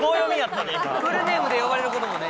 フルネームで呼ばれる事もね。